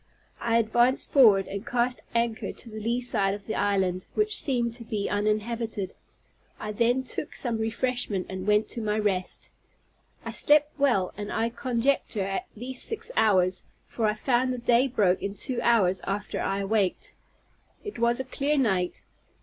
I advanced forward, and cast anchor on the lee side of the island, which seemed to be uninhabited. I then took some refreshment and went to my rest. I slept well, and I conjecture at least six hours, for I found the day broke in two hours after I awaked. It was a clear night.